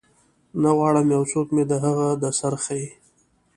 نه غواړم یو څوک مې د هغه د سرخۍ